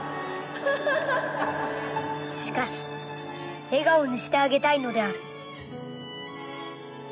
しかし笑顔にしてあげたいのである。